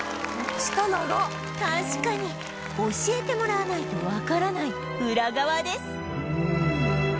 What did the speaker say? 確かに教えてもらわないとわからないウラ側です